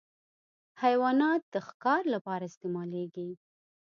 حیوانات د ښکار لپاره استعمالېږي.